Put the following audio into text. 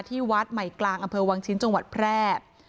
ที่วัดใหม่กลางอำเภอวังชิ้นจังหวัดแพร่